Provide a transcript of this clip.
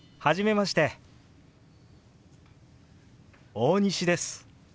大西です。